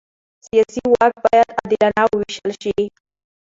سیاسي واک باید عادلانه ووېشل شي